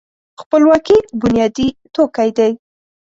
خپلواکي بنیادي توکی دی.